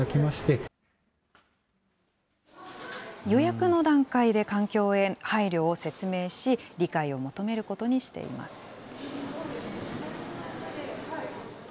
予約の段階で環境配慮を説明し、理解を求めることにしています。